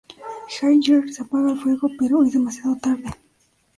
Hit Girl apaga el fuego pero, es demasiado tarde.